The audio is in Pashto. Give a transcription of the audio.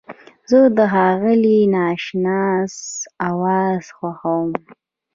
زه د ښاغلي ناشناس اواز خوښوم.